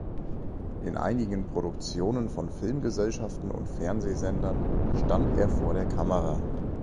In einigen Produktionen von Filmgesellschaften und Fernsehsendern stand er vor der Kamera.